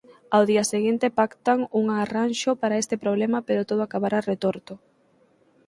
Ao día seguinte pactan unha arranxo para este problema pero todo acabará retorto.